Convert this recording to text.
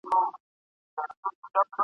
ستا په لاس هتکړۍ وینم بې وسۍ ته مي ژړېږم !.